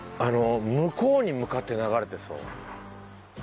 向こうに向かって流れてそう。